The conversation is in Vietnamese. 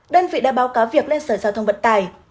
đơn vị đã báo cáo việc lên sở giao thông vận tải